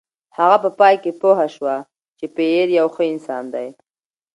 هغه په پای کې پوه شوه چې پییر یو ښه انسان دی.